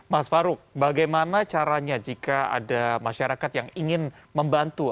mas farouk bagaimana caranya jika ada masyarakat yang ingin membantu